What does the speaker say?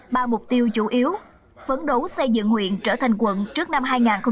ba mục tiêu chủ yếu phấn đấu xây dựng huyện trở thành quận trước năm hai nghìn ba mươi